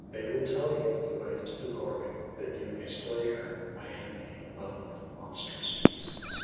They will tell you the way to the Gorgon, that you may slay her, my enemy, the mother of monstrous beasts.